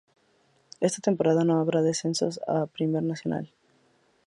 Esta temporada no habrá descensos a Primera Nacional.